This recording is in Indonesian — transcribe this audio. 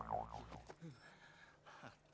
aku mau siap